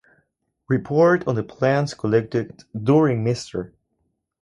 Report on the Plants collected during Mr.